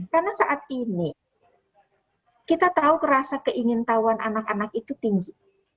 karena saat ini kita tahu rasa keingintawan anak anak itu tinggi